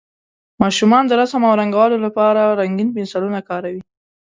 ماشومان د رسم او رنګولو لپاره رنګین پنسلونه کاروي.